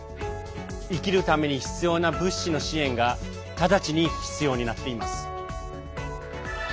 生きるために必要な物資の支援が直ちに必要になっています。